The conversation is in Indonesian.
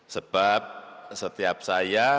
sebab setiap saya